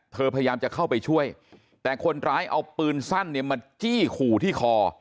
พยายามจะเข้าไปช่วยแต่คนร้ายเอาปืนสั้นเนี่ยมาจี้ขู่ที่คอ